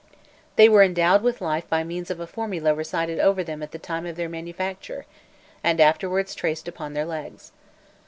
They were endowed with life by means of a formula recited over them at the time of their manufacture, and afterwards traced upon their legs.